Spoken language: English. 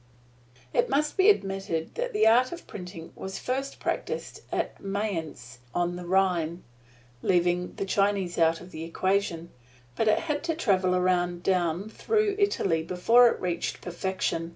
It must be admitted that the art of printing was first practised at Mayence on the Rhine, leaving the Chinese out of the equation; but it had to travel around down through Italy before it reached perfection.